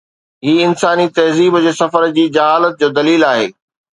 هي انساني تهذيب جي سفر جي جهالت جو دليل آهي.